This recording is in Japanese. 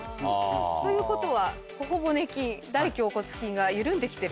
ということはほお骨筋大頬骨筋が緩んで来てるんです。